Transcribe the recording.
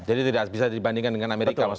jadi tidak bisa dibandingkan dengan amerika